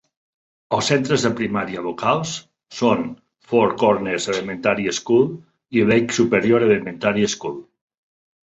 Els centres de primària locals són Four Corners Elementary School i Lake Superior Elementary School.